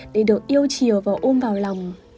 để được yêu chiều và ôm vào lòng